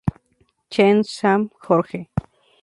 Chen Sham, Jorge.